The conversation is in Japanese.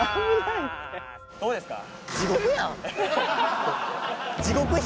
どうですか？